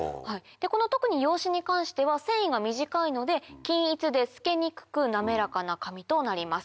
特に洋紙に関しては繊維が短いので均一で透けにくく滑らかな紙となります。